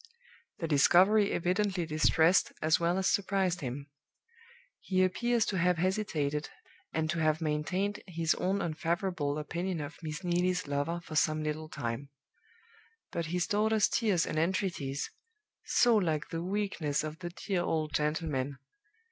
The discovery evidently distressed as well as surprised him. He appears to have hesitated, and to have maintained his own unfavorable opinion of Miss Neelie's lover for some little time. But his daughter's tears and entreaties (so like the weakness of the dear old gentleman!)